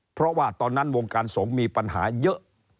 เพราะว่าตอนนั้นวงการสงฆ์มีปัญหาเยอะ